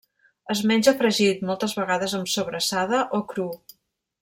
Es menja fregit, moltes vegades amb sobrassada, o cru.